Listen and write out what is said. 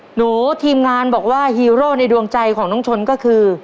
หนูทีมงานบอกว่าฮีโร่ในดวงใจของน้องชนก็คือ